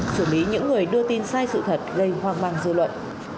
xử lý những người đưa tin sai sự thật gây hoang mang dư luận